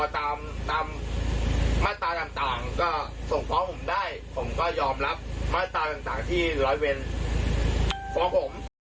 ถ้างก็ส่งพร้อมผมได้ผมก็ยอมรับมาตราต่างที่ร้อยเวนของผม